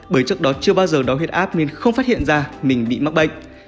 bởi trước đó chưa bao giờ đo huyết áp nên không phát hiện ra mình bị mắc bệnh